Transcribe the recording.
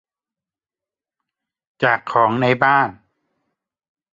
จากของในบ้าน